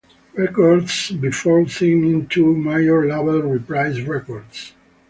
Records before signing to major label Reprise Records.